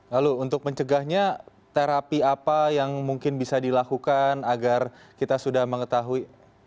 lalu untuk mencegahnya terapi apa yang mungkin bisa dilakukan agar kita sudah mengetahui